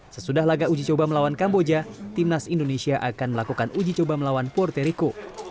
sesudah laga uji coba melawan kamboja timnas indonesia akan melakukan uji coba melawan porterico